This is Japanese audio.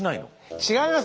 違います。